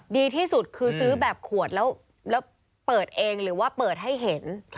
ดีที่สุดคือซื้อแบบขวดแล้วเปิดเองหรือว่าเปิดให้เห็น